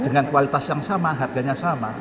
dengan kualitas yang sama harganya sama